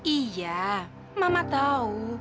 iya mama tahu